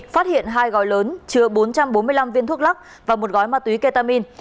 phát hiện hai gói lớn chứa bốn trăm bốn mươi năm viên thuốc lắc và một gói ma túy ketamin